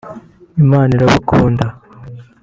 Imana irabakunda